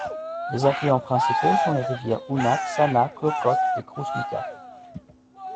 Ses affluents principaux sont les rivières Unac, Sana, Klokot et Krušnica.